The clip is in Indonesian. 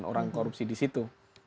orang korupsi di situ